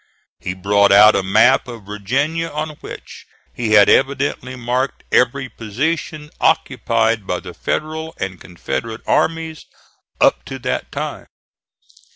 He brought out a map of Virginia on which he had evidently marked every position occupied by the Federal and Confederate armies up to that time.